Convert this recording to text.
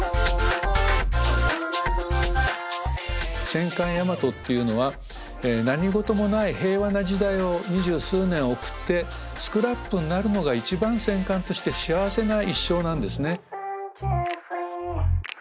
戦艦大和っていうのは何事もない平和な時代を二十数年送ってスクラップになるのが一番戦艦として幸せな一生なんですね。